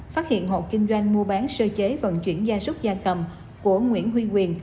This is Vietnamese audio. phát hiện hộ kinh doanh mua bán sơ chế vận chuyển gia súc gia cầm của nguyễn huy quyền